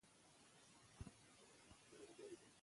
په اصفهان کې زرګونه فاحشې اوسېدلې.